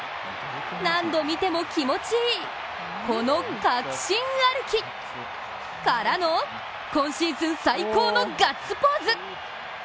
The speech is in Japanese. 何度、見ても、気持ちいいこの確信歩き！からの、今シーズン最高のガッツポーズ！